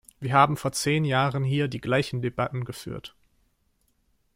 Wir haben vor zehn Jahren hier die gleichen Debatten geführt!